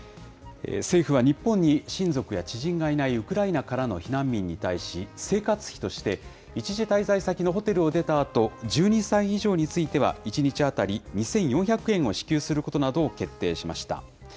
政府は日本に親族や知人がいないウクライナからの避難民に対し、生活費として一時滞在先のホテルを出たあと、１２歳以上については１日当たり２４００円を支給することなどを決定しました。